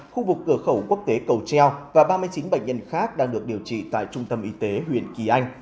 khu vực cửa khẩu quốc tế cầu treo và ba mươi chín bệnh nhân khác đang được điều trị tại trung tâm y tế huyện kỳ anh